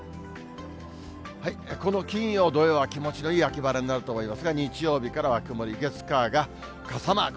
この金曜、土曜は気持ちのいい秋晴れになると思いますが、日曜日からは曇り、月、火が傘マーク。